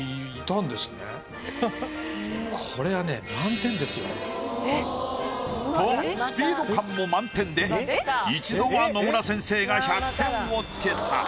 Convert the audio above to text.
これはね。とスピード感も満点で一度は野村先生が１００点をつけた。